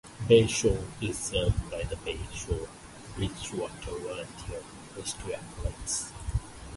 Bay Shore is served by the Bay Shore-Brightwaters Volunteer Rescue Ambulance.